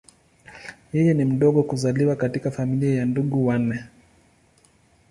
Yeye ni mdogo kuzaliwa katika familia ya ndugu wanne.